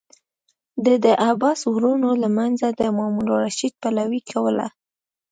ده د عباسي ورونو له منځه د مامون الرشید پلوي کوله.